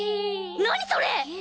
何それ！？